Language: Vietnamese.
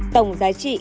tổng giá trị